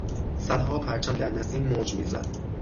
صدها پرچم در نسیم موج میزد.